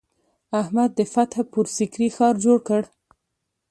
اکبر د فتح پور سیکري ښار جوړ کړ.